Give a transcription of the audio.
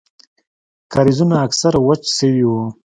کاريزونه اکثره وچ سوي وو.